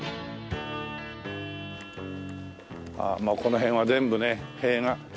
まあこの辺は全部ね塀が。